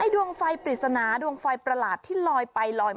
ดวงไฟปริศนาดวงไฟประหลาดที่ลอยไปลอยมา